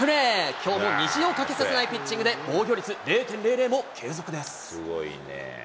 きょうも虹をかけさせないピッチングで、防御率０．００も継続です。